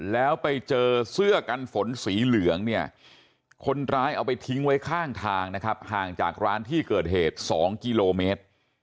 แล้วไปเจอเสื้อกันฝนสีเหลืองเนี่ยคนร้ายเอาไปทิ้งไว้ข้างทางนะครับห่างจากร้านที่เกิดเหตุ๒กิโลเมตร